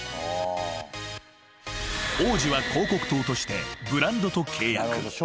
［王子は広告塔としてブランドと契約］